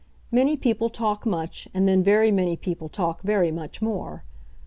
Many people talk much, and then very many people talk very much more.